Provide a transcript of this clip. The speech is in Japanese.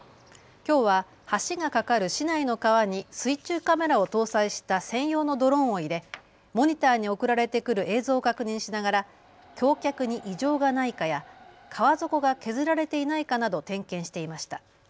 きょうは橋が架かる市内の川に水中カメラを搭載した専用のドローンを入れモニターに送られてくる映像を確認しながら橋脚に異常がないかや川底が削られていないかなど点検していました。